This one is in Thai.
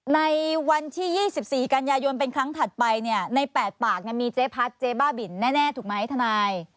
ในวันที่๒๔กันยายนเป็นครั้งถัดไปเนี่ยใน๘ปากมีเจ๊พัดเจ๊บ้าบินแน่ถูกไหมทนาย